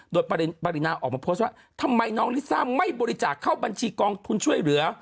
โดยปรินาออกมาโพสต์ว่าทำไมน้องลิซ่าไม่บริจาคเข้าบัญชีกองทุนช่วยเหลือ